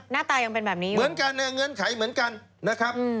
หน้าตายังเป็นแบบนี้เหมือนกันเนี่ยเงื่อนไขเหมือนกันนะครับ